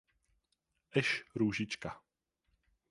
Š. Růžička.